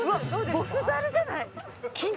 ボスザルじゃない？